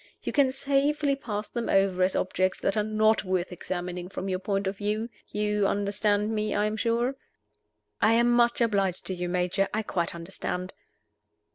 You can safely pass them over as objects that are not worth examining from your point of view. You understand me, I am sure?" "I am much obliged to you, Major I quite understand."